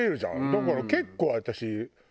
だから結構私。